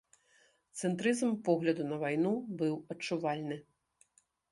Цэнтрызм погляду на вайну быў адчувальны.